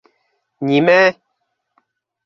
Нимә?..